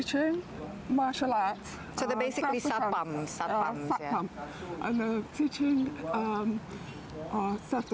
dan juga olimpiade